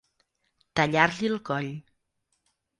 Tallar-li el coll.